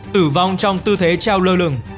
tử vong trong tư thế treo lơ lửng